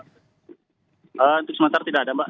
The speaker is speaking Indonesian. untuk sementara tidak ada mbak